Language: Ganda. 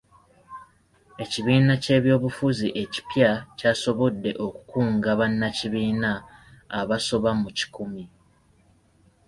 Ekibiina ky'ebyobufuzi ekipya kyasobodde okukunga bannakibiina abasoba mu kikumi.